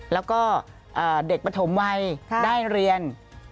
แล้วก็เด็กปฐมวัยได้เรียน